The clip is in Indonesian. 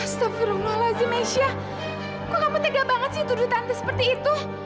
astagfirullahaladzim maisya kok kamu tega banget sih tuduh tante seperti itu